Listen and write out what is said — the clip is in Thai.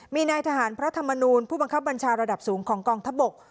มีนายทหารพระธรรมนูลผู้บังคับบัญชาระดับสูงของกองทัพบก